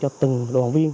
cho từng đoàn viên